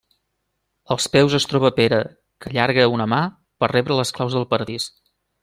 Als peus es troba Pere que allarga una mà per rebre les claus del Paradís.